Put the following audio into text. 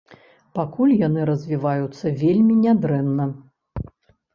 Пакуль яны развіваюцца вельмі не дрэнна.